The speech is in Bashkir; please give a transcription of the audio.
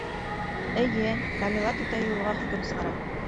Эйе, Камила түтәйе уға хөкөм сығара.